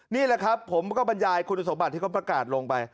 นี่แหละครับผมก็บรรยายคุณสมบัติที่เขาประกาศลงไป